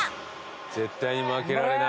絶対に負けられない。